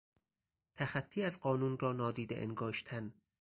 تخطی از قانون را نادیده انگاشتن